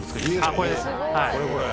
これこれ？